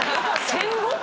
戦後？